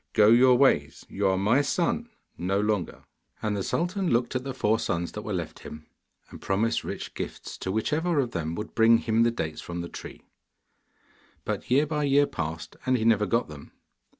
Go your ways, you are my son no longer!' And the sultan looked at the four sons that were left him, and promised rich gifts to whichever of them would bring him the dates from the tree. But year by year passed, and he never got them.